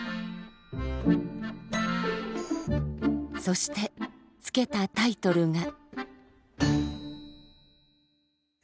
そして付けたタイトルが。